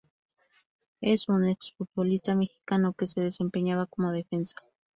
Es un exfutbolista mexicano que se desempeñaba como defensa.